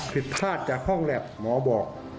ผิดพลาดจากห้องแล็บหมอบอก